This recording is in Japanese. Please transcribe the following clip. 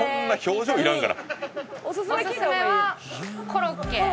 コロッケ？